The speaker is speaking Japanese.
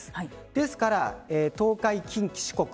ですから、東海、近畿、四国